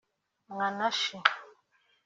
Mwanachi